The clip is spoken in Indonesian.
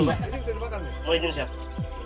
bagaimana jenis jamur